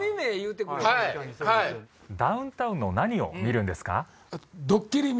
ダウンタウンの何を見るんですか？